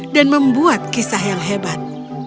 dan membuat kisah yang hebat